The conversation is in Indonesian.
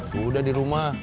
sudah di rumah